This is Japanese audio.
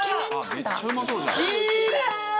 めっちゃうまそうじゃん。